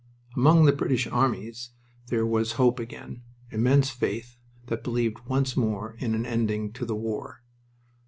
Among the British armies there was hope again, immense faith that believed once more in an ending to the war.